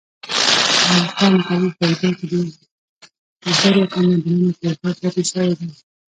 افغانستان د تاریخ په اوږدو کي د زرو تمدنونو کوربه پاته سوی دی.